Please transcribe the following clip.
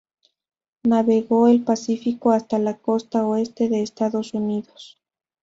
Navegó el Pacífico hasta la costa oeste de Estados Unidos.